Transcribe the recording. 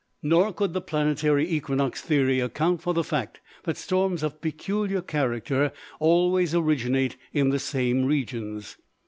Nor could the planetary equinox theory account for the fact that storms of peculiar character always originate in the same regions.